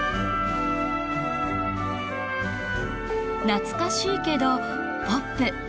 懐かしいけどポップ。